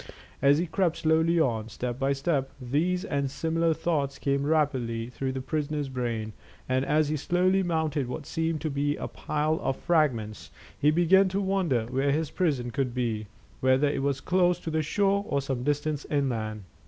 As he crept slowly on, step by step, these and similar thoughts came rapidly through the prisoner's brain, and as he slowly mounted what seemed to be a pile of fragments, he began to wonder where his prison could be whether it was close to the shore or some distance inland.